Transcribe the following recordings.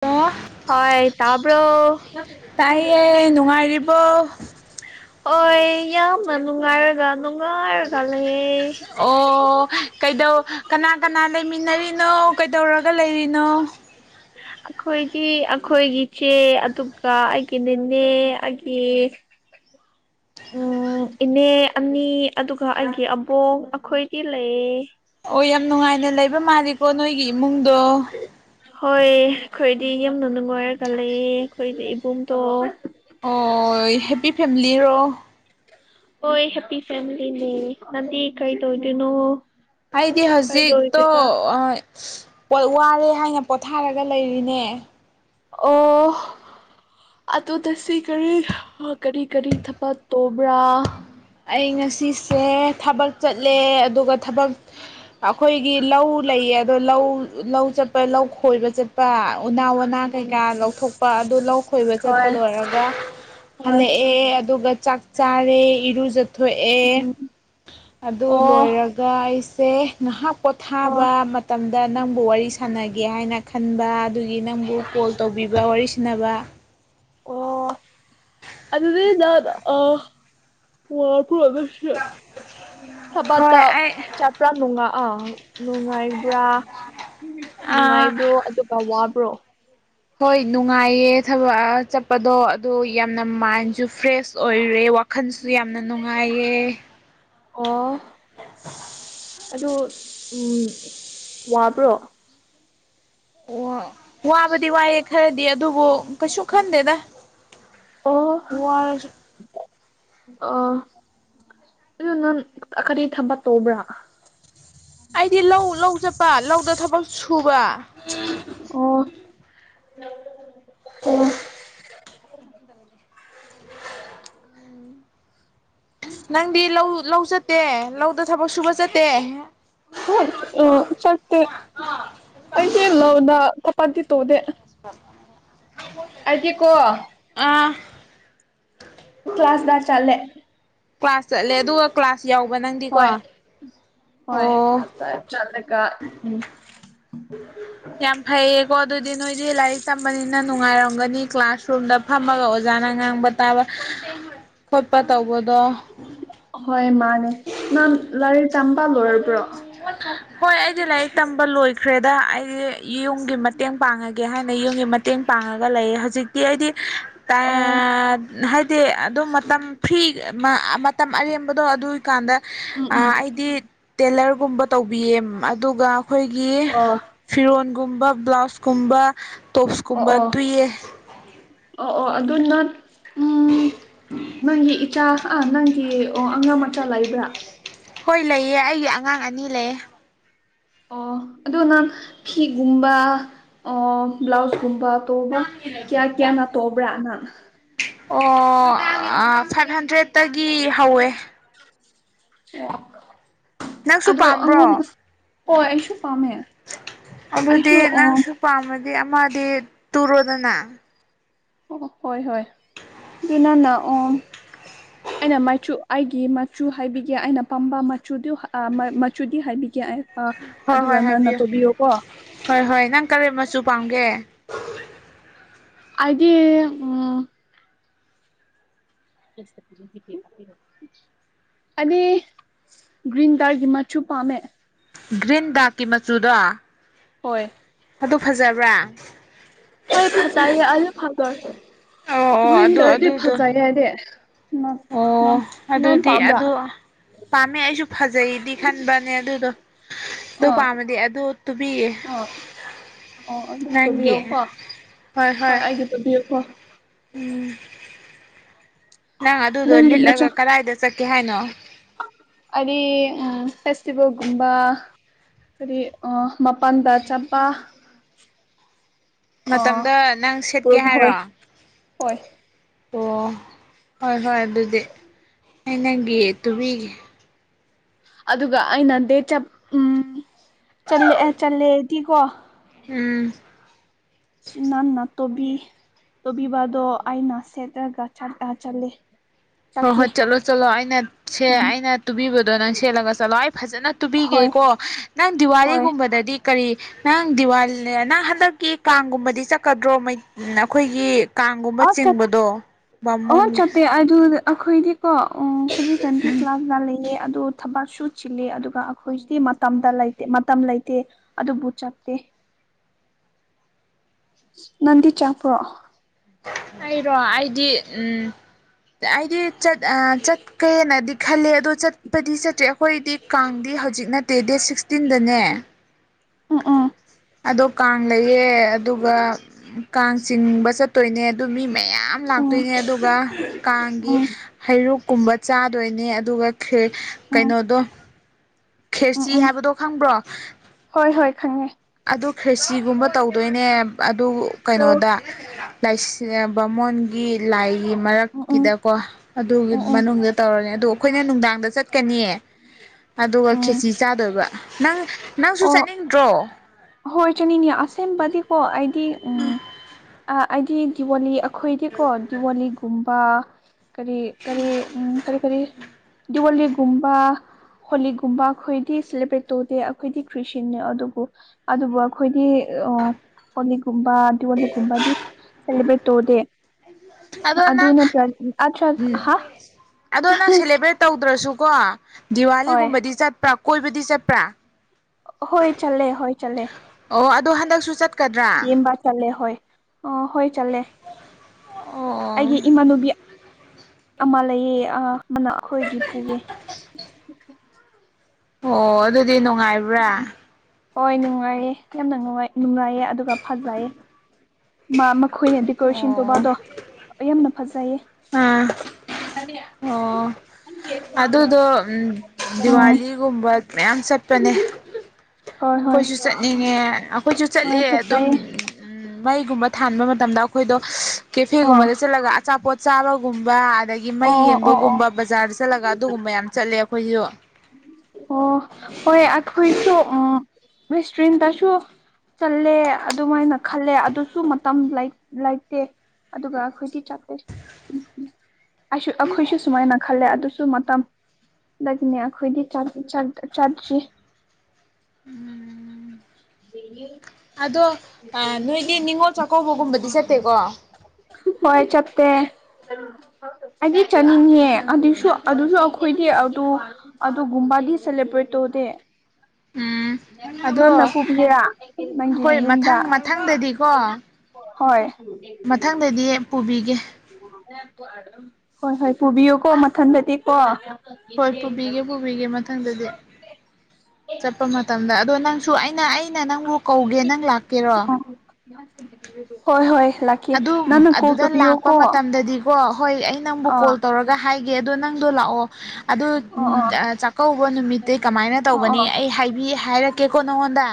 hello ꯍꯣꯏ ꯇꯥꯕ꯭ꯔꯣ ꯇꯥꯏꯌꯦꯦ ꯅꯨꯡꯉꯥꯏꯔꯤꯕꯣ [unintelligible] ꯍ ꯌꯥꯝꯅ ꯅꯨꯡꯉꯥꯏꯔꯒ ꯅꯨꯡꯉꯥꯏꯔꯒ ꯂꯩꯌꯦ ꯑꯣ ꯀꯩ ꯀꯅꯥ ꯀꯅꯥ ꯂꯩꯃꯤꯟꯅꯔꯤꯅꯣ ꯀꯩꯗꯧꯔꯒ ꯂꯩ ꯇꯅꯣ ꯑꯩꯈꯣꯏꯒꯤ ꯑꯩꯈꯣꯏꯒꯤ ꯏꯆꯦ ꯑꯗꯨꯒ ꯑꯩꯒꯤ ꯅꯦꯅꯦ ꯑꯩꯒꯤ [unintelligible] ꯎꯝ ꯏꯅꯦ ꯑꯅꯤ ꯑꯗꯨꯒ ꯑꯩꯒꯤ ꯑꯕꯣꯛ ꯑꯩꯈꯣꯏꯗꯤ ꯂꯩꯌꯦ ꯑꯣ ꯌꯥꯝ ꯅꯨꯡꯉꯥꯏꯅ ꯂꯩꯕ ꯃꯥꯜꯂꯤꯀꯣ ꯅꯣꯏꯒꯤ ꯏꯃꯨꯡꯗꯣ ꯍꯣꯏ ꯑꯩꯈꯣꯏꯗꯤ ꯌꯨꯝꯗ ꯅꯨꯡꯉꯥꯏꯔꯒ ꯂꯩꯌꯦ ꯑꯩꯈꯣꯏꯗꯤ ꯏꯕꯨꯡꯗꯣ ꯑꯣ ꯍꯦꯄꯤ ꯐꯦꯃꯤꯂꯤꯔꯣ ꯍꯣꯏ ꯍꯦꯄꯤ ꯐꯦꯃꯥꯂꯤꯅꯦ ꯅꯪꯗꯤ ꯀꯔꯤ ꯇꯧꯗꯣꯏꯅꯣ ꯍꯥꯏꯗꯤ ꯍꯧꯖꯤꯛꯇꯣ ꯄ ꯋꯥꯔꯦ ꯍꯥꯏꯅ ꯄꯣꯊꯥꯔꯒ ꯂꯩꯔꯤꯅꯦ ꯑꯣ ꯑꯗꯨ ꯉꯥꯁꯤ ꯀꯔꯤ ꯀꯔꯤ ꯀꯔꯤ ꯊꯕꯛ ꯇꯧꯕ꯭ꯔꯥ ꯑꯩ ꯉꯁꯤꯁꯦ ꯊꯕꯛ ꯆꯠꯂꯦ ꯑꯗꯨꯒ ꯊꯕꯛ ꯑꯩꯈꯣꯏꯒꯤ ꯂꯧ ꯂꯩꯌꯦ ꯑꯗꯣ ꯂꯧ ꯂꯧ ꯆꯠꯄ ꯂꯧ ꯈꯣꯏꯕ ꯆꯠꯄ ꯎꯅꯥ ꯋꯥꯅꯥ ꯎꯝ ꯀꯩꯀꯥ ꯂꯧꯊꯣꯛꯄ ꯑꯗꯨ ꯂꯧ ꯈꯣꯏꯕ ꯆꯠꯄ ꯍꯣꯏ ꯂꯣꯏꯔꯒ ꯍꯣꯏ ꯍꯜꯂꯛꯑꯦ ꯑꯗꯨꯒ ꯆꯥꯛ ꯆꯥꯔꯦ ꯏꯔꯨ ꯊꯣꯛꯑꯦ ꯎꯝ ꯑꯗꯨ ꯑꯣ ꯂꯣꯏꯔꯒ ꯑꯩꯁꯦ ꯉꯍꯥꯛ ꯑꯣ ꯄꯣꯊꯥꯕ ꯃꯇꯝ ꯅꯪꯕꯨ ꯋꯥꯔꯤ ꯁꯥꯟꯅꯒꯦ ꯍꯥꯏꯅ ꯈꯟꯕ ꯑꯗꯨꯒꯤ ꯅꯪꯕꯨ ꯀꯣꯜ ꯇꯧꯕꯤꯕ ꯋꯥꯔꯤ ꯁꯥꯟꯅꯕ ꯑꯣ ꯑꯗꯨꯗꯤ ꯑ ꯕꯥꯇ ꯍꯣꯏ ꯑꯩ ꯆꯥꯄꯔꯅꯨꯡꯉ ꯑ [inaudible] ꯅꯨꯡꯉꯥꯏꯕ꯭ꯔꯥ ꯅꯨꯡꯉꯥꯏꯕ꯭ꯔꯣ ꯑꯗꯨꯒ ꯋꯥꯕ꯭ꯔꯣ ꯍꯣꯏ ꯅꯨꯡꯉꯥꯏꯌꯦ ꯊꯕꯛ ꯆꯠꯄꯗꯣ ꯑꯗꯨ ꯌꯥꯝꯅ ꯃꯥꯏꯟꯁꯨ ꯐ꯭ꯔꯦꯁ ꯑꯣꯏꯔꯦ ꯋꯥꯈꯜꯁꯨ ꯌꯥꯝꯅ ꯅꯨꯡꯉꯥꯏꯌꯦ ꯑꯣ ꯑꯗꯨ ꯎ ꯋꯥꯕ꯭ꯔꯣ ꯑꯣ ꯋꯥꯕꯗꯤ ꯋꯥꯏ ꯈꯔꯗꯤ ꯑꯗꯨꯕꯨ ꯀꯩꯁꯨ ꯈꯟꯗꯦꯗ ꯑꯣ ꯋꯥꯔꯁꯨ ꯑ ꯑꯗꯨ ꯅꯪ ꯀꯔꯤ ꯊꯕꯛ ꯇꯧꯕ꯭ꯔꯥ ꯄꯥ ꯂꯧꯗ ꯊꯕꯛ ꯁꯨꯕ ꯑꯣ ꯑꯣ ꯎꯝ [unintelligible] ꯅꯪꯗꯤ ꯂꯧ ꯂꯧ ꯆꯠꯇꯦ ꯂꯧꯗ ꯊꯕꯛ ꯁꯨꯕ ꯆꯠꯇꯦ ꯍ ꯑ ꯆꯠꯇꯦ ꯑꯩꯗꯤ ꯂꯧꯗ ꯊꯕꯛꯇꯤ ꯇꯧꯗꯦ ꯑꯩꯗꯤꯀꯣ ꯑꯥ ꯀ꯭ꯂꯥꯁꯗꯥ ꯆꯠꯂꯦ ꯀ꯭ꯂꯥꯁ ꯆꯠꯂꯦ ꯑꯗꯨꯒ ꯀ꯭ꯂꯥꯁ ꯌꯥꯎꯕ ꯅꯪꯗꯤꯀꯣ ꯍꯣꯏ ꯍꯣꯏ ꯀ ꯑ ꯑꯣ ꯆ ꯆꯂꯒ ꯎ [inaudible] ꯌꯥꯝ ꯐꯩꯌꯦꯒꯣ ꯑꯗꯨꯗꯤꯅ ꯅꯣꯏꯗꯤ ꯂꯥꯏꯔꯤꯛ ꯐꯝꯕꯅꯤꯅ ꯅꯨꯡꯉꯥꯏꯔꯝꯒꯅꯤ ꯀ꯭ꯂꯥꯁꯔꯨꯝꯗ ꯐꯝꯃꯒ ꯑꯣꯖꯥꯅ ꯉꯥꯡꯕ ꯇꯥꯕ ꯈꯣꯠꯄ ꯇꯧꯕꯗꯣ ꯍꯣꯏ ꯃꯥꯅꯦ ꯅꯪ ꯂꯥꯏꯔꯤꯛ ꯇꯝꯕꯥ ꯂꯣꯏꯔꯕ꯭ꯔꯣ ꯍꯣꯏ ꯑꯩꯗꯤ ꯂꯥꯏꯔꯤꯛ ꯇꯝꯕ ꯂꯣꯏꯈ꯭ꯔꯦꯗ ꯑꯩꯗꯤ ꯌꯨꯝꯒꯤ ꯃꯇꯦꯡ ꯄꯥꯡꯉꯒꯦ ꯍꯥꯏꯅ ꯌꯨꯝꯒꯤ ꯃꯇꯦꯡ ꯄꯥꯡꯉꯒ ꯂꯩꯌꯦ ꯍꯧꯖꯤꯛꯇꯤ ꯑꯩꯗꯤ ꯑꯣ ꯍꯥꯏ ꯗꯦ ꯑꯗꯣ ꯃꯇꯝ ꯐ꯭ꯔꯤ ꯃꯇꯝ ꯑꯔꯦꯝꯕꯗꯣ ꯑꯗꯨꯏꯀꯥꯟꯗ ꯎꯝ ꯎꯝ ꯑꯩꯗꯤ ꯇꯦꯂꯔꯒꯨꯝꯕ ꯇꯧꯕꯤꯌꯦ ꯑꯗꯨꯒ ꯑꯩꯈꯣꯏꯒꯤ ꯑꯣ ꯐꯤꯔꯣꯟ ꯒꯨꯝꯕ ꯕ꯭ꯂꯥꯎꯁꯀꯨꯝꯕ ꯑꯣ ꯇꯣꯞꯁꯀꯨꯝꯕ ꯑꯣ ꯇꯨꯏꯌꯦ ꯑꯣ ꯑꯣ ꯑꯗꯨ ꯅ ꯎ ꯅꯪꯒꯤ ꯏꯆꯥ ꯑ ꯅꯪꯒꯤ ꯑꯣ ꯑꯉꯥꯡ ꯃꯆꯥ ꯂꯩꯥꯛꯕ꯭ꯔꯥ ꯍꯣꯏ ꯂꯩꯌꯦ ꯑꯩꯒꯤ ꯑꯉꯥꯡ ꯑꯅꯤ ꯂꯩꯌꯦ ꯑꯣ ꯑꯗꯨ ꯅꯪ ꯐꯤꯒꯨꯝꯕ ꯑꯣ ꯕ꯭ꯂꯥꯎꯁꯀꯨꯝꯕ ꯑ ꯇꯧꯕ ꯀꯌꯥ ꯀꯌꯥꯅ ꯇꯧꯕ꯭ꯔꯥ ꯅꯪ ꯑꯣ ꯐꯥꯏꯚ ꯍꯟꯗ꯭ꯔꯦꯗꯇꯒꯤ ꯍꯧꯋꯦ ꯑꯦ ꯅꯪꯁꯨ ꯑꯗꯣ ꯄꯥꯝꯕ꯭ꯔꯣ ꯑꯉ ꯍꯣꯏ ꯑꯩꯁꯨ ꯄꯥꯝꯃꯦ ꯑꯗꯨꯗꯤ ꯑꯩꯁꯨ ꯑꯣ ꯅꯪꯁꯨ ꯄꯥꯝꯃꯗꯤ ꯑꯃꯗꯤ ꯇꯨꯔꯣꯗꯅ ꯑꯣ ꯍꯣꯏ ꯍꯣꯏ ꯑꯗꯨ ꯅꯪꯅ ꯑꯣ ꯑꯩꯅ ꯃꯆꯨ ꯑꯩꯒꯤ ꯃꯆꯨ ꯍꯥꯏꯕꯤꯒꯦ ꯑꯩꯅ ꯄꯥꯝꯕ ꯃꯆꯨꯗꯤ ꯃꯆꯨꯗꯤ ꯍꯥꯏꯕꯤꯒꯦ ꯑ ꯍꯣꯏ ꯍꯣꯏ ꯑꯗꯨꯒ ꯅꯪꯅ ꯍꯥꯏꯕꯤꯌꯨ ꯇꯧꯕꯤꯌꯣꯀꯣ ꯍꯣꯏ ꯍꯣꯏ ꯅꯪ ꯀꯔꯤ ꯆꯨ ꯄꯥꯎꯒꯦ ꯑꯗꯨꯦ ꯎ [inaudible] ꯑ ꯒ꯭ꯔꯤꯟ ꯀꯥꯔꯒꯤ ꯃꯆꯨ ꯄꯥꯝꯃꯦ ꯒ꯭ꯔꯤꯟ ꯗꯥꯛꯀꯤ ꯃꯆꯨꯗꯣ ꯍꯣꯏ ꯑꯗꯨ ꯐꯖꯕ꯭ꯔꯥ ꯍꯣꯏ ꯐꯖꯩꯌꯦ ꯑꯂ ꯐ ꯑꯣ ꯑꯣ ꯑꯗꯨ ꯋꯤꯟꯗꯔꯗꯤ ꯑꯗꯨꯗꯣ ꯐꯖꯩꯌꯦꯦꯅꯦ ꯑꯣ ꯑꯗꯨꯗꯤ ꯑꯗꯨ ꯄꯥꯝꯃꯦ ꯑꯩꯁꯨ ꯐꯖꯩꯗꯤ ꯈꯟꯕꯅꯦ ꯑꯗꯨꯗꯣ ꯑꯗꯨ ꯑꯥ ꯄꯥꯝꯃꯗꯤ ꯑꯗꯨ ꯇꯨꯕꯤ ꯑꯥ ꯑꯣ ꯑꯩꯗꯤ ꯇꯧꯕꯤꯌꯣ ꯀꯣ ꯍꯣꯏ ꯑꯩꯒꯤ ꯇꯧꯕꯤꯌꯣ ꯀꯣ ꯎꯝ ꯅꯪ ꯑꯗꯨꯗꯣ ꯂꯤꯠꯂꯒ ꯀꯂꯥꯏꯗ ꯁꯀꯤꯦ ꯍꯥꯏꯅꯣ ꯑ ꯎ ꯐꯦꯁꯇꯤꯚꯦꯜꯒꯨꯝꯕ ꯀꯔꯤ ꯑ ꯃꯄꯜꯗ ꯆꯠꯄ ꯑ ꯃꯇꯝꯗ ꯅꯪ ꯁꯦꯠꯀꯦ ꯄꯨꯔꯒ ꯍꯣꯏ ꯍꯥꯏꯔꯣ ꯍꯣꯏ ꯑꯣ ꯍꯣꯏ ꯍꯣꯏ ꯑꯗꯨꯗꯤ ꯑꯩ ꯅꯪꯒꯤ ꯇꯨꯕꯤꯒꯦ ꯑꯗꯨꯒ ꯑꯩꯅ ꯗ ꯎꯝꯂꯦ ꯆꯜꯂꯦꯗꯤꯀꯣ ꯎꯝ ꯁꯤꯅꯥ ꯅ ꯇꯣꯕꯤ ꯇꯣ ꯕꯗ ꯑꯩꯥꯏ ꯅꯁꯤꯦ ꯇ ꯆꯥ ꯆꯔꯦ ꯍꯣꯏ ꯍꯣꯏ ꯆꯠꯂꯣ ꯆꯠꯂꯣ ꯑꯩꯅ ꯁꯦ ꯎꯝ ꯑꯩꯅ ꯇꯨꯕꯤꯕꯗꯣ ꯅꯪ ꯁꯦꯠꯂꯒ ꯆꯠꯂꯣ ꯑꯩ ꯐꯖꯅ ꯇꯨꯕꯤꯒꯦ ꯍꯣꯏ ꯀꯣ ꯅꯪ ꯍꯣꯏ ꯗꯤꯋꯥꯂꯤꯒꯨꯝꯕꯗꯗꯤ ꯀꯔꯤ ꯅꯪ ꯗꯤꯋꯥꯂꯤꯅꯦ ꯅꯪ ꯍꯟꯗꯛꯀꯤ ꯀꯥꯡꯒꯨꯝꯕꯗꯤ ꯆꯠꯀꯗ꯭ꯔꯣ ꯑꯩꯈꯣꯏꯒꯤ ꯀꯥꯡꯒꯨꯝꯕ ꯑ ꯆꯠ ꯆꯤꯡꯕꯗꯣ ꯑꯣ ꯕꯥꯃꯣꯟꯒꯤ ꯆꯠꯇꯦ ꯑꯗꯨ ꯑꯩꯈꯣꯏꯗꯤꯀꯣ ꯑꯣ ꯍꯧꯖꯤꯛꯀꯥꯟꯗꯤ ꯀ꯭ꯂꯥꯁ ꯌꯥꯥꯠꯂꯛꯑꯦ ꯑꯗꯨ ꯊꯕꯛꯁꯨꯨ ꯆꯤꯜꯂꯤ ꯑꯗꯨꯒ ꯑꯩꯈꯣꯏꯁꯤꯗꯤ ꯃꯇꯝꯗ ꯂꯩꯇ ꯃꯇꯝ ꯂꯩꯇꯦ ꯑꯗꯨꯕꯨ ꯆꯠꯇꯦ ꯅꯟ ꯆꯥꯄ꯭ꯔꯣ ꯑꯩꯔꯣ ꯑꯩꯗꯤ ꯎꯝ ꯑꯩꯗꯤꯠ ꯆꯠꯀꯦꯅꯗꯤ ꯈꯜꯂꯦ ꯑꯗꯣ ꯆꯠꯄꯗꯤ ꯆꯠꯇ꯭ꯔꯦ ꯑꯩꯈꯣꯏꯗꯤ ꯀꯥꯡꯗꯤ ꯑꯩ ꯍꯧꯖꯤꯛ ꯅꯠꯇꯦ ꯗꯦꯠ ꯁꯤꯛꯁꯇꯤꯟꯗꯅꯦ ꯑ ꯑꯥ ꯑꯗꯣ ꯀꯥꯡ ꯂꯩꯌꯦ ꯑꯗꯨꯒ ꯀꯥꯡ ꯆꯤꯡꯕ ꯆꯠꯇꯣꯏꯅꯦ ꯑꯗꯨ ꯃꯤ ꯃꯌꯥꯝ ꯎꯝ ꯂꯥꯛꯇꯣꯏꯅꯦ ꯑꯗꯨꯒ ꯀꯥꯡꯒꯤ ꯎꯝ ꯍꯩꯔꯨꯛꯀꯨꯝꯕ ꯆꯥꯗꯣꯏꯅꯦ ꯑꯗꯨꯒ ꯈꯦ ꯎꯝ ꯀꯩꯅꯣꯗꯣ ꯎꯝ ꯈꯦꯔꯆꯤ ꯎꯝ ꯍꯥꯏꯕꯗꯣ ꯈꯪꯕ꯭ꯔꯣ ꯍꯣꯏ ꯍꯣꯏ ꯈꯪꯉꯦ ꯑꯗꯨ ꯈ꯭ꯔꯤꯁꯤꯒꯨꯝꯕ ꯇꯧꯗꯣꯏꯅꯦ ꯑꯗꯨ ꯑꯣ ꯀꯩꯅꯣꯗ ꯂꯥꯏ ꯕꯥꯃꯣꯟꯒꯤ ꯂꯥꯏ ꯎꯝ ꯎꯝ ꯃꯔꯛꯀꯤꯗꯀꯣ ꯑꯗꯨꯒꯤ ꯎꯝ ꯎꯝ ꯃꯅꯨꯡꯗ ꯇꯧꯔꯅꯤ ꯑꯗꯣ ꯑꯩꯈꯣꯏꯅ ꯅꯨꯡꯗꯥꯡꯗ ꯆꯠꯀꯅꯤꯌꯦ ꯑꯗꯨꯒ ꯎꯝ ꯈꯦꯆꯤ ꯆꯥꯗꯣꯏꯕ ꯅꯪ ꯅꯪꯁꯨ ꯑꯣ ꯆꯠꯅꯤꯡꯗ꯭ꯔꯣ ꯍꯣꯏ ꯆꯅꯤꯅꯤ ꯑꯁꯦꯡꯕꯗꯤꯀꯣ ꯑꯩꯗꯤ ꯎꯝ ꯑꯩꯗꯤ ꯗꯤꯋꯥꯂꯤ ꯈꯣꯏꯗꯤꯦꯀꯣ ꯗꯤꯋꯥꯂꯤꯒꯨꯝꯕ ꯀꯔꯤ ꯀꯔꯤ ꯎꯝ ꯀꯔꯤ ꯀꯔꯤ ꯋꯥꯂꯤ ꯒꯨꯝꯕ ꯍꯣꯂꯤꯒꯨꯝꯕ ꯑꯩꯈꯣꯏꯗꯤ ꯁꯦꯂꯦꯕ꯭ꯔꯦꯠ ꯇꯧꯗꯦ ꯑꯩꯈꯣꯏꯗꯤ ꯈ꯭ꯔꯤꯁꯇꯟꯅꯅꯤ ꯑꯗꯨꯕꯨ ꯑꯗꯨꯕꯨ ꯑꯩꯈꯣꯏꯗꯤ ꯑ ꯍꯣꯂꯤꯛꯒꯨꯝꯕ ꯗꯤꯋꯥꯣꯂꯤꯒꯨꯝꯕꯗꯤ ꯁꯦꯕ꯭ꯔꯦꯠ ꯇꯣꯗꯦ ꯑꯗꯣ ꯑꯗꯨ ꯅꯪ ꯅꯠꯇ꯭ꯔ ꯑꯠꯇ꯭ꯔ ꯍꯥ ꯑꯗꯣ ꯅꯪ ꯁꯦꯂꯦꯕ꯭ꯔꯦꯠ ꯇꯧꯗ꯭ꯔꯁꯨꯀꯣ ꯍꯣꯏ ꯗꯤꯋꯥꯂꯤꯒꯨꯝꯕꯗꯤ ꯆꯠꯄ꯭ꯔꯥ ꯀꯣꯏꯕꯗꯤ ꯆꯠꯄ꯭ꯔꯥ ꯍꯣꯏ ꯆꯂꯦ ꯍꯣꯏ ꯆꯠꯂꯦ ꯑꯣ ꯑꯗꯣ ꯍꯟꯗꯛꯁꯨ ꯆꯠ ꯏꯦꯝꯕꯥ ꯆꯦ ꯍꯣꯏ ꯑ ꯍꯣꯏ ꯆꯠꯂꯦ ꯑꯣ ꯑꯩꯒꯤ ꯏꯃꯅꯨꯕꯤ ꯑꯃ ꯂꯩꯌꯦ ꯑ ꯃꯅ ꯑꯩꯈꯣꯏꯒꯤ ꯄꯨꯌꯦꯦ ꯑꯣ ꯑꯗꯨꯗꯤ ꯅꯨꯡꯉꯥꯏꯕ꯭ꯔꯥ ꯍꯣꯏ ꯅꯨꯡꯉꯥꯏꯌꯦ ꯌꯥꯝꯅ ꯅꯨꯡꯉꯥꯏ ꯅꯨꯡꯉꯥꯏꯌꯦ ꯑꯗꯨꯒ ꯐꯖꯂꯌꯦꯦ ꯃꯥ ꯃꯈꯣꯏꯅ ꯗꯦꯀꯣꯔꯦꯁꯟ ꯑꯣ ꯇꯧꯕꯗꯣ ꯌꯥꯝꯅ ꯐꯖꯩꯌꯦ ꯑꯥ ꯑꯣ ꯑꯗꯨꯗꯣ ꯍꯣꯏ ꯗꯤꯋꯥꯂꯤꯒꯨꯝꯕ ꯃꯌꯥꯝ ꯆꯠꯄꯅꯦ ꯍꯣꯏ ꯑꯩꯈꯣꯏꯁꯨ ꯆꯠꯅꯤꯡꯉꯦ ꯑꯩꯈꯣꯏꯁꯨ ꯍꯣꯏ ꯆꯠꯂꯦ ꯑꯗꯨꯝ ꯐꯖꯩꯌꯦ ꯃꯩꯒꯨꯝꯕ ꯊꯥꯟꯕ ꯃꯇꯝꯗ ꯑꯩꯈꯣꯏꯗꯣ ꯀꯦꯐꯦꯒꯨꯝꯕꯗ ꯑꯥ ꯆꯠꯂꯒ ꯑꯆꯥꯄꯣꯠ ꯆꯥꯕꯒꯨꯝꯕ ꯑꯗꯒꯤ ꯃꯩ ꯑꯣ ꯑꯣ ꯑꯣ ꯌꯦꯡꯕꯒꯨꯝꯕ ꯕꯖꯥꯔꯗ ꯆꯠꯂꯒ ꯑꯗꯨꯒꯨꯝꯕ ꯌꯥꯝ ꯆꯠꯂꯦ ꯑꯩꯈꯣꯏꯁꯨ ꯑꯣ ꯍꯣꯏꯈꯣꯏꯁꯨ ꯑꯁꯔꯤꯟ ꯇꯁꯨ ꯆꯠꯂꯦ ꯑꯗꯨꯃꯥꯏꯅ ꯈꯜꯂꯦ ꯑꯗꯨꯁꯨ ꯃꯇꯝ ꯂꯩꯇꯦ ꯑꯗꯨꯒ ꯑꯩꯈꯣꯏꯗꯤ ꯆꯠꯄꯦ ꯎꯝ ꯎ ꯑꯩ ꯑꯩꯈꯣꯏꯁꯨ ꯁꯨꯃꯥꯏꯅ ꯈꯜꯂꯦ ꯑꯗꯨꯁꯨ ꯃꯇꯝꯅꯦ ꯑꯩꯈꯣꯏꯗꯤ ꯆꯥꯗ꯭ꯔꯤ ꯎꯝ ꯂꯩꯌꯨ ꯅꯣꯏꯗꯤ ꯅꯤꯡꯉꯣꯜ ꯆꯥꯛꯀꯧꯕꯒꯨꯝꯕꯗꯤ ꯆꯠꯇꯦꯀꯣ ꯍꯣꯏ ꯆꯞꯇ [inaudible] ꯑꯩꯗꯤ ꯆꯠꯅꯤꯡꯑꯦ ꯑꯗꯨꯁꯨ ꯑꯗꯨꯁꯨ ꯑꯩꯈꯣꯏꯗꯤ ꯑꯗꯨ ꯑꯗꯨꯒꯨꯝꯕꯗꯤ ꯁꯦꯂꯦꯕ꯭ꯔꯦꯠ ꯇꯧ ꯎꯝ ꯅꯟꯅ ꯑꯗꯣ ꯄꯨꯕꯤꯔ ꯅꯪꯒꯤ ꯍꯣꯏ ꯌꯨꯝꯗ ꯃꯊꯪ ꯃꯊꯪꯗꯗꯤꯀꯣ ꯍꯣꯏ ꯃꯊꯪꯗꯗꯤ ꯄꯨꯕꯤꯒꯦ ꯍꯣꯏ ꯍꯣꯏ ꯄꯨꯕꯤꯌꯨꯀꯣ ꯃꯊꯟꯕꯗꯤꯦꯛꯀꯣ ꯍꯣꯏ ꯄꯨꯕꯤꯒꯦ ꯄꯨꯕꯤꯒꯦ ꯃꯊꯪꯗꯗꯤ ꯆꯠꯄ ꯃꯇꯝꯗ ꯑꯗꯣ ꯅꯪꯁꯨ ꯑꯩꯅ ꯑꯩꯅ ꯅꯪꯕꯨ ꯀꯧꯒꯦ ꯅꯪ ꯂꯥꯛꯀꯦꯔꯣ ꯍꯣꯏ ꯍꯣꯏ ꯂꯥꯛꯀꯦ ꯑꯗꯨ ꯅꯪꯅ ꯀꯣꯜ ꯑꯗꯨꯗ ꯂꯥꯛꯄ ꯇꯧꯕꯤꯌꯣꯀꯣ ꯃꯇꯝꯗꯗꯤꯀꯣ ꯍꯣꯏ ꯑꯩ ꯅꯪꯕꯨ ꯀꯣꯜ ꯑꯥ ꯇꯧꯔꯒ ꯍꯥꯏꯒꯦ ꯑꯗꯣ ꯅꯪꯗꯣ ꯂꯥꯛꯑꯣ ꯑꯗꯨ ꯑꯣ ꯑꯣ ꯆꯥꯛꯀꯧꯕ ꯅꯨꯃꯤꯠꯇꯤ ꯀꯃꯥꯏꯅ ꯑꯣ ꯇꯧꯕꯅꯤ ꯑꯣ ꯑꯩ ꯍꯥꯏ ꯍꯥꯏꯔ ꯀꯦꯀꯣ ꯅꯉꯣꯟꯗ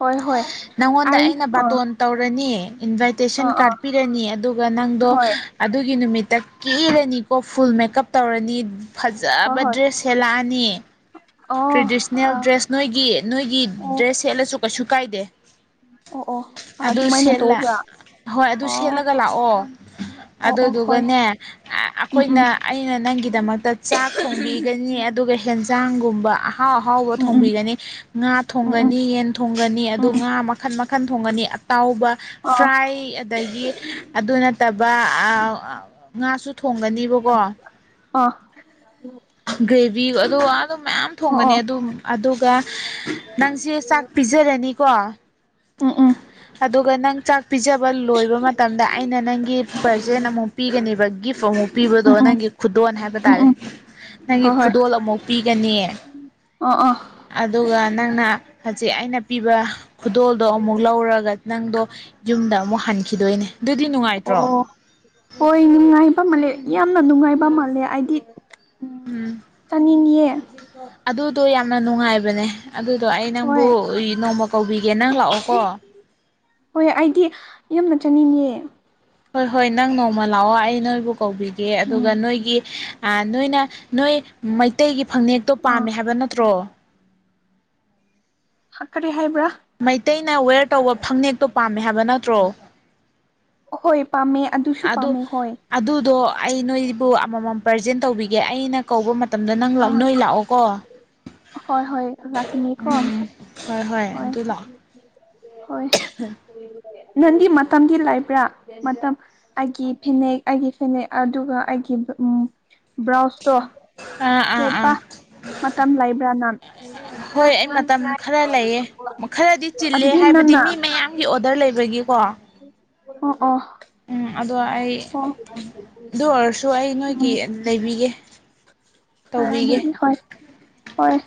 ꯍꯣꯏ ꯍꯣꯏ ꯅꯪꯉꯣꯟꯗ ꯑꯩ ꯑꯩꯅ ꯑꯥ ꯕꯥꯇꯣꯟ ꯇꯧꯔꯅꯤ ꯏꯟꯚꯥꯏꯠ ꯦꯁ ꯑꯥ ꯀꯥꯔ ꯑꯥ ꯄꯤꯔꯅꯤ ꯑꯗꯨꯒ ꯅꯪꯗꯣ ꯍꯣꯏ ꯑꯗꯨꯒꯤ ꯅꯨꯃꯤꯠꯇ ꯀꯤꯔꯅꯤꯀꯣ ꯐꯨꯜ ꯃꯦꯀꯞ ꯇꯧꯔꯅꯤ ꯍꯣꯏ ꯐꯖꯕ ꯍꯣꯏ ꯗ꯭ꯔꯦꯁ ꯍꯦꯂꯛꯑꯅꯤ ꯑꯣ ꯇ꯭ꯔꯦꯗꯤꯁꯅꯦꯜ ꯑꯥ ꯗ꯭ꯔꯦꯁ ꯅꯣꯏꯒꯤ ꯅꯣꯏꯒꯤ ꯑꯣ ꯗ꯭ꯔꯦꯁ ꯁꯦꯠꯂꯁꯨ ꯀꯩꯁꯨ ꯀꯥꯏꯗꯦ ꯑꯣ ꯑꯣ ꯑꯗꯨ ꯑꯗꯨꯃꯥꯏꯅ ꯁꯦꯠꯂ ꯇꯧꯕ꯭ꯔꯥ ꯍꯣꯏ ꯑꯗꯨ ꯑꯣ ꯁꯦꯠꯂꯒ ꯂꯥꯛꯑꯣ ꯑꯣ ꯑꯣ ꯍꯣꯏ ꯑꯗꯨꯗꯨꯒꯅꯦ ꯎꯝ ꯑꯩꯈꯣꯏꯅ ꯎꯝ ꯑꯩꯅ ꯅꯪꯒꯤꯗꯃꯛꯇ ꯆꯥꯛ ꯊꯣꯡꯕꯤꯒꯅꯤ ꯑꯗꯨꯒ ꯍꯦꯟꯖꯥꯡꯒꯨꯝꯕ ꯑꯍꯥꯎ ꯑꯍꯥꯎꯕ ꯎꯝ ꯎꯝ ꯊꯣꯡꯕꯤꯒꯅꯤ ꯉꯥ ꯎꯝ ꯊꯣꯡꯒꯅꯤ ꯌꯦꯟ ꯊꯣꯡꯒꯅꯤ ꯑꯗꯨ ꯎꯝ ꯎꯝ ꯉꯥ ꯃꯈꯜ ꯃꯈꯜ ꯟ ꯊꯣꯡꯒꯅꯤ ꯑꯇꯥꯎꯕ ꯑ ꯐ꯭ꯔꯥꯏ ꯑꯗꯒꯤ ꯑꯗꯨ ꯅꯠꯇꯕ ꯉꯥꯁꯨ ꯊꯣꯡꯒꯅꯤꯕꯀꯣ ꯑ ꯭ꯔꯦꯕꯤ ꯑꯣ ꯑꯗꯨꯝ ꯃꯌꯥꯝ ꯑꯣ ꯊꯣꯡꯒꯅꯤ ꯑꯣ ꯑꯗꯨ ꯑꯗꯨꯒ ꯅꯪꯁꯦ ꯆꯥꯛ ꯄꯤꯖꯔꯅꯤꯀꯣ ꯑ ꯑ ꯑꯗꯨꯒ ꯅꯪ ꯆꯥꯛ ꯄꯤꯖꯕ ꯂꯣꯏꯕ ꯃꯇꯝꯗ ꯑꯩꯅ ꯅꯪꯒꯤ ꯄꯔꯖꯦꯟ ꯑꯃꯨꯛ ꯄꯤꯒꯅꯦꯕ ꯒꯤꯐ ꯑꯃꯨꯛ ꯄꯤꯕꯗꯣ ꯎꯝ ꯎꯝ ꯅꯪꯒꯤ ꯈꯨꯗꯣꯟ ꯍꯥꯏꯕ ꯎꯝ ꯇꯥꯔꯦ ꯎꯝ ꯅꯪꯒꯤ ꯍꯣꯏ ꯍꯣꯏ ꯈꯨꯗꯣꯜ ꯑꯃꯨꯛ ꯄꯤꯒꯅꯤ ꯑꯥ ꯑꯥ ꯑꯗꯨꯒ ꯅꯪꯅ ꯍꯧꯖꯤꯛ ꯑꯩꯅ ꯄꯤꯕ ꯈꯨꯗꯣꯜꯗꯣ ꯑꯃꯨꯛ ꯂꯧꯔꯒ ꯅꯪꯗꯣ ꯌꯨꯝꯗ ꯑꯃꯨꯛ ꯍꯟꯈꯤꯗꯣꯏꯅꯦ ꯑꯗꯨꯗꯤ ꯅꯨꯡꯉꯥꯏꯇ꯭ꯔꯣ [inaudible] ꯑꯣꯏꯣꯏꯅꯅꯨꯡꯉꯕ ꯌꯥꯝꯅ ꯅꯨꯡꯉꯥꯏꯕ ꯃꯥꯜꯂꯦ ꯑꯩꯗꯤ ꯎꯝ ꯆꯥꯅꯤꯡꯌꯦ ꯑꯗꯨꯗꯣ ꯌꯥꯝꯅ ꯅꯨꯡꯉꯥꯏꯕꯅꯦ ꯑꯗꯨꯗꯣ ꯑꯩ ꯅꯪꯕꯨ ꯍꯣꯏ ꯅꯣꯡꯃ ꯀꯧꯕꯤꯒꯦ ꯅꯪ ꯂꯥꯛꯑꯣꯀꯣ ꯍꯣꯏ ꯑꯩꯗꯤ ꯌꯥꯝꯅ ꯆꯠꯅꯤꯡꯉꯦ ꯍꯣꯏ ꯍꯣꯏ ꯅꯪ ꯅꯣꯡꯃ ꯂꯥꯛꯑꯣ ꯑꯩ ꯅꯣꯏꯕꯨ ꯀꯧꯕꯤꯒꯦ ꯑꯗꯨꯒ ꯎꯝ ꯅꯣꯏꯒꯤ ꯅꯣꯏꯅ ꯅꯣꯏ ꯃꯩꯇꯩꯒꯤ ꯐꯅꯦꯛꯇꯣ ꯄꯥꯝꯃꯦ ꯑꯥ ꯍꯥꯏꯕ ꯅꯠꯇ꯭ꯔꯣ ꯍꯥ ꯀꯔꯤ ꯍꯥꯏꯕ꯭ꯔꯥ ꯃꯩꯇꯩꯅ ꯋꯦꯌꯔ ꯇꯧꯕ ꯐꯅꯦꯛꯇꯣ ꯄꯥꯝꯃꯦ ꯍꯥꯏꯕ ꯅꯠꯇ꯭ꯔꯣ ꯑꯍꯣꯏ ꯄꯥꯝꯃꯦ ꯑꯗꯨꯁꯨ ꯑꯗꯨ ꯄꯥꯝꯃꯦ ꯍꯣꯏ ꯑꯗꯨꯗꯣ ꯑꯩ ꯅꯣꯏꯕꯨ ꯑꯃꯃꯝ ꯄ꯭ꯔꯖꯦꯟ ꯇꯧꯕꯤꯒꯦ ꯑꯩꯅ ꯀꯧꯕ ꯃꯇꯝꯗ ꯅꯪ ꯑ ꯅꯣꯏ ꯂꯥꯛꯑꯣꯀꯣ ꯍꯣꯏ ꯍꯣꯏ ꯂꯥꯛꯀꯅꯤꯀꯣ ꯎꯝ ꯍꯣꯏ ꯍꯣꯏ ꯑꯗꯨ ꯂꯥꯛꯑꯣ ꯍꯣꯏ ꯅꯪꯗꯤ ꯃꯇꯝꯗꯤ ꯂꯩꯕ꯭ꯔꯥ ꯃꯇꯝ ꯑꯩꯒꯤ ꯐꯅꯦꯛ ꯑꯩꯒꯤ ꯐꯅꯦꯛ ꯑꯗꯨꯒ ꯑꯩꯒꯤ ꯎꯝ [unintelligible] ꯕ꯭ꯔꯥꯎꯁꯇꯣ ꯑꯥ ꯑꯥ ꯑꯥ ꯁꯦꯠꯄ ꯃꯇꯝ ꯂꯩꯕ꯭ꯔꯥ ꯅꯪ ꯍꯣꯏ ꯑꯩ ꯃꯇꯝ ꯈꯔ ꯂꯩꯌꯦ ꯈꯔꯗꯤ ꯆꯤꯜꯂꯦ ꯍꯥꯏꯕ ꯑꯗꯨꯗꯤ ꯍꯥꯏꯕꯗꯤ ꯅꯪꯅ ꯃꯤ ꯃꯌꯥꯝꯒꯤ ꯑꯣꯗꯔ ꯂꯩꯕꯒꯤꯀꯣ ꯑ ꯑ ꯎꯝ ꯑꯗꯣ ꯑꯩ ꯑꯗꯨ ꯑꯣꯏꯔꯁꯨ ꯑꯩ ꯅꯣꯏꯒꯤ ꯂꯩꯕꯤꯒꯦ ꯍ ꯇꯧꯕꯤꯒꯦ ꯍ ꯍꯣꯏ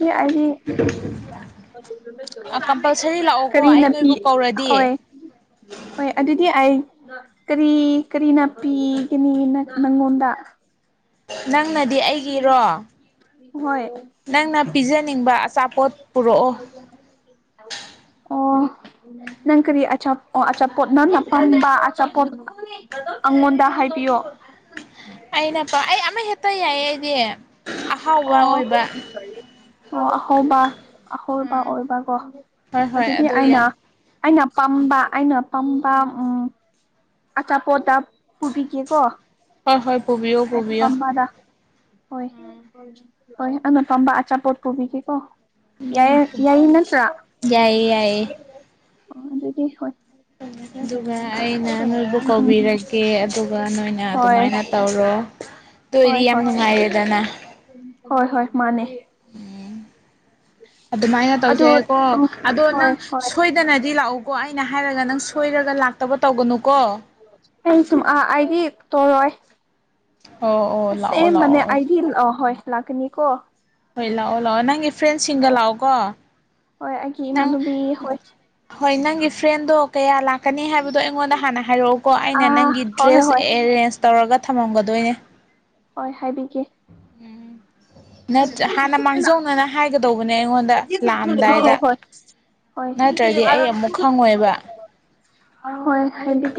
[unintelligible] ꯀꯝꯄꯜꯁꯔꯤ ꯂꯥꯛꯑꯣꯀꯣ ꯀꯔꯤ ꯑꯩ ꯅꯥꯄꯤ ꯅꯣꯏꯕꯨ ꯀꯧꯔꯗꯤ ꯍꯣꯏ ꯍꯣꯏ ꯑꯗꯨꯗꯤ ꯑꯩ ꯀꯔꯤ ꯀꯔꯤꯅꯅꯥ ꯄꯤꯒꯅꯤꯅ ꯅꯪꯉꯣꯟꯗ ꯅꯪꯅꯗꯤ ꯑꯩꯒꯤꯔꯣ ꯍꯣꯏ ꯅꯪꯅ ꯄꯤꯖꯅꯤꯡꯕ ꯑꯆꯥꯄꯣꯠ ꯄꯨꯔꯛꯑꯣ ꯑꯣ ꯅꯪ ꯀꯔꯤ ꯑꯆꯥ ꯑꯆꯥꯄꯣꯠ ꯅꯪ ꯅꯅꯥꯄꯟꯕ ꯑꯆꯥꯄꯣꯠ ꯑꯩꯉꯣꯟꯗ ꯍꯥꯏꯕꯤꯌꯣ ꯑꯠꯇ ꯑꯩꯗꯤꯦ ꯑꯣ ꯑꯣ ꯑꯍꯧꯕ ꯑꯍꯣꯕ ꯎꯝ ꯑꯣꯏꯕ ꯀꯣ ꯍꯣꯏ ꯍꯣꯏ ꯑꯗꯨꯗꯤ ꯑꯗꯨ ꯑꯩꯅ ꯌꯥꯏ ꯑꯩꯅ ꯄꯥꯝꯕ ꯑꯩꯅ ꯄꯥꯝꯕ ꯎꯝ ꯑꯆꯥ ꯄꯣꯇꯥ ꯄꯨꯕꯤ ꯀꯀꯣ ꯍꯣꯏ ꯍꯣꯏ ꯄꯨꯕꯤꯌꯣ ꯑ ꯄꯨꯕꯤꯌꯣ ꯄꯃꯥꯗ ꯍꯣꯏ ꯍꯣꯏ ꯑꯗꯨꯅꯄꯥꯥꯝꯕ ꯑꯆꯥꯄꯣꯠ ꯄꯨꯕꯤꯒꯦꯀꯣ ꯌꯥꯌꯦ ꯌꯥꯏꯌꯦ ꯅꯠꯇ꯭ꯔꯥ ꯌꯥꯏꯌꯦ ꯌꯥꯏꯌꯦ ꯑꯣ ꯑꯗꯨꯗꯤ ꯍꯣꯏ ꯑꯗꯨꯒ ꯑꯩꯅ ꯅꯣꯏꯕꯨ ꯎꯝ ꯎꯝ ꯀꯧꯕꯤꯔꯒꯦ ꯑꯗꯨꯒ ꯅꯣꯏꯅ ꯍꯣꯏ ꯑꯗꯨꯃꯥꯏꯅ ꯇꯧꯔꯣ ꯇ ꯍꯣꯏ ꯑꯣꯏꯗꯤ ꯌꯥꯝ ꯍꯣꯏ ꯅꯨꯡꯉꯥꯏꯔꯦꯗꯅ ꯍꯣꯏ ꯍꯣꯏ ꯃꯥꯅꯦ [inaudible] ꯑꯗꯨꯃꯥꯏꯅ ꯑꯗꯨ ꯇꯧꯖꯩꯀꯣ ꯎꯝ ꯑꯗꯣ ꯅꯪ ꯍꯣꯏ ꯍꯣꯏ ꯁꯣꯏꯗꯅꯗꯤ ꯂꯥꯛꯎꯀꯣ ꯑꯩꯅ ꯍꯥꯏꯔꯒ ꯅꯪ ꯁꯣꯏꯔꯒ ꯂꯥꯛꯇꯕ ꯇꯧꯒꯅꯨ ꯑꯩ ꯁꯨꯝ ꯑꯥ ꯑꯩꯗꯤ ꯇꯧꯔꯣꯏ ꯑꯣ ꯑꯣ ꯑꯁꯦ ꯂꯥꯛꯑꯣ ꯃꯅꯦ ꯂꯥꯛꯑꯣ ꯑꯩꯗꯤ ꯑ ꯍꯣꯏ ꯂꯥꯛꯀꯅꯤ ꯀꯣ ꯍꯣꯏ ꯂꯥꯛꯑꯣ ꯂꯥꯛꯑꯣ ꯅꯪꯒꯤ ꯐ꯭ꯔꯦꯟꯁꯤꯡꯒ ꯂꯥꯛꯑꯣꯀꯣ ꯍꯣꯏ ꯑꯩꯒꯤ ꯅꯪ ꯏꯃꯥꯟꯅꯨꯕꯤ ꯍꯣꯏ ꯍꯣꯏ ꯅꯪꯒꯤ ꯐ꯭ꯔꯦꯟꯗꯣ ꯀꯌꯥ ꯂꯥꯛꯀꯅꯤ ꯍꯥꯏꯕꯗꯣ ꯑꯩꯉꯣꯟꯗ ꯍꯥꯟꯅ ꯍꯥꯏꯔꯛꯎꯀꯣ ꯑꯩꯅ ꯑꯥ ꯅꯪꯒꯤ ꯍꯣꯏ ꯍꯣꯏ ꯗ꯭ꯔꯦꯁ ꯍꯣꯏ ꯑꯦꯔꯦꯟꯖ ꯇꯧꯔꯒ ꯊꯝꯃꯝꯒꯗꯣꯏꯅꯦ ꯍꯣꯏ ꯍꯥꯏꯕꯤꯒꯦ ꯎꯝ ꯅꯠꯇ꯭ꯔ ꯍꯥꯟꯅ ꯃꯥꯡꯖꯧꯅꯅ ꯍꯥꯏꯒꯗꯧꯕꯅꯦ ꯑꯩꯉꯣꯟꯗ ꯍꯣꯏ ꯂꯥꯛꯑꯝꯗꯥꯏꯗ ꯍꯣꯏ ꯍꯣꯏ ꯅꯠꯇ꯭ꯔꯗꯤ ꯑꯩ ꯑꯃꯨꯛ ꯈꯪꯉꯣꯏꯕ ꯍꯣꯏ ꯍꯗꯤꯦ